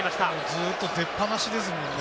ずっと出っぱなしですもんね。